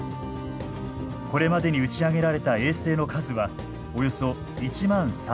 これまでに打ち上げられた衛星の数はおよそ１万３，０００基。